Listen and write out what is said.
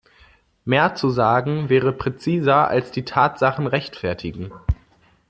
Mehr zu sagen wäre präziser als die Tatsachen rechtfertigen.